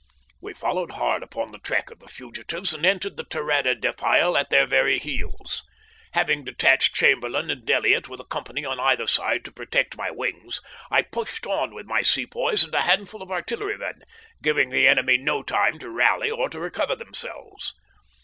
We followed hard upon the track of the fugitives and entered the Terada defile at their very heels. Having detached Chamberlain and Elliott with a company on either side to protect my wings, I pushed on with my Sepoys and a handful of artillerymen, giving the enemy no time to rally or to recover themselves.